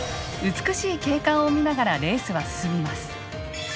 美しい景観を見ながらレースは進みます。